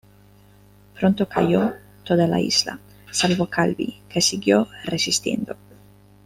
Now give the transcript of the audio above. Pronto cayó toda la isla, salvo Calvi que siguió resistiendo.